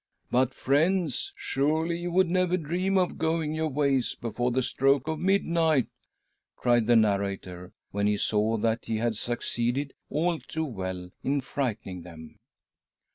" But, friends, surely you would never dream of going your ways before the stroke, of midnight ?" cried the narrator, when he saw that he had suc ceeded all too well in frightening them.